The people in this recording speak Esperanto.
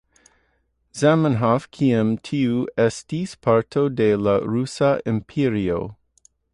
Zamenhof, kiam tiu estis parto de la Rusa Imperio.